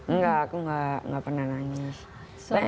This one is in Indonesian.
enggak aku nggak pernah nangis